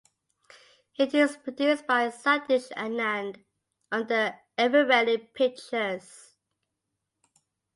It is produced by Satish Anand under Eveready Pictures.